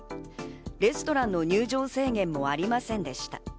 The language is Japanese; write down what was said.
レストランの入場制限もありませんでした。